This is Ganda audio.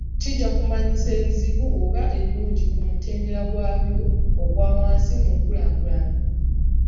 Kijja kumanyisa ebizibu/ebirungi ku mutendera gwabyo ogwa wansi mu nkulaakulana.